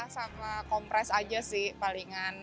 sama kompres aja sih palingan